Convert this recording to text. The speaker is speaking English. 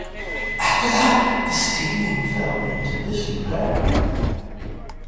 After that, the stadium fell into disrepair.